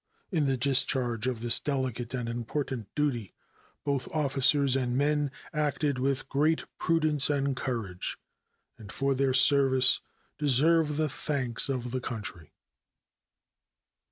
In the discharge of this delicate and important duty both officers and men acted with great prudence and courage, and for their services deserve the thanks of the country.